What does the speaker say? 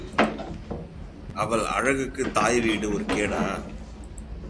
அவள் அழகுக்குத் தாய் வீடு ஒரு கேடா?